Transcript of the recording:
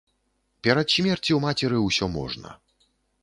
Перад смерцю мацеры ўсё можна.